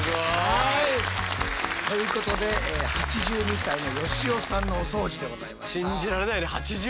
はいということで８２歳の良雄さんのお掃除でございました。